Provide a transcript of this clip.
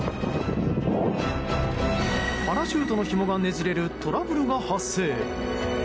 パラシュートのひもがねじれるトラブルが発生。